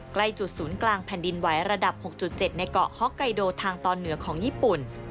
ใกล้จุดศูนย์กลางแผ่นดินไหวระดับ๖๗ในเกาะฮอกไกโดทางตอนเหนือของญี่ปุ่น